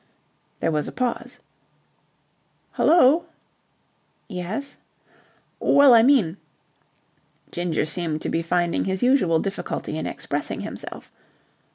There was a pause. "Hullo." "Yes?" "Well, I mean..." Ginger seemed to be finding his usual difficulty in expressing himself.